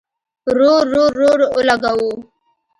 رور، رور، رور اولګوو